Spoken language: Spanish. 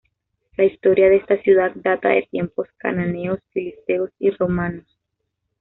La historia de esta ciudad data de tiempos cananeos, filisteos y romanos.